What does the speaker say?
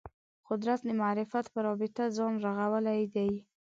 قدرت د معرفت په رابطه ځان رغولی دی